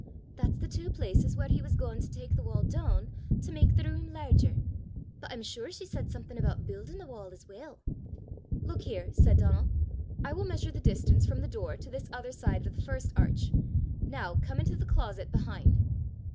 That's the twa places whaur he was gaein' to tak the wall doon, to mak the room lairger. But I'm sure she said something aboot buildin' a wall as weel!" "Look here," said Donal; "I will measure the distance from the door to the other side of this first arch. Now come into the closet behind.